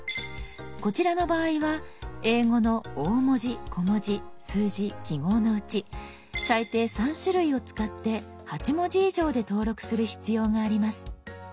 こちらの場合は英語の大文字小文字数字記号のうち最低３種類を使って８文字以上で登録する必要があります。